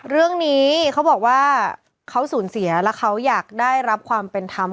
เรื่องนี้เขาบอกว่าเขาสูญเสียและเขาอยากได้รับความเป็นธรรม